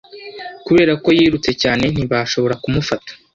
Kubera ko yirutse cyane, ntibashobora kumufata.